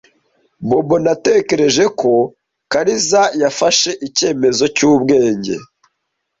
Bobo ntatekereza ko Kariza yafashe icyemezo cyubwenge.